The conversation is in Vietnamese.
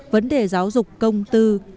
vấn đề giáo dục công tư